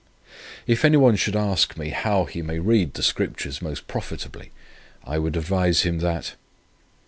"If anyone should ask me, how he may read the Scriptures most profitably, I would advise him, that: "I.